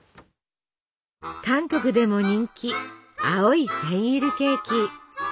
韓国でも人気青いセンイルケーキ！